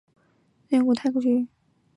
森林蒙泰居。